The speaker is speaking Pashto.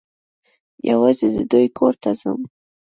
یوازي د دوی کور ته ځم .